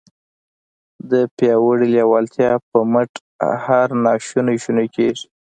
د پياوړې لېوالتیا پر مټ هر ناشونی شونی کېږي.